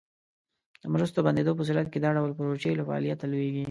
د مرستو بندیدو په صورت کې دا ډول پروژې له فعالیته لویږي.